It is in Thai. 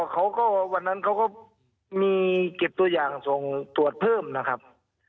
เขาก็วันนั้นเขาก็มีเก็บตัวอย่างส่งตรวจเพิ่มนะครับ